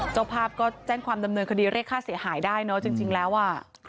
เจ้าภาพก็แจ้งความดำเนินคดีเรียกค่าเสียหายได้เนอะจริงแล้วอ่ะ